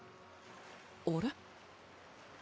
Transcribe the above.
あれ？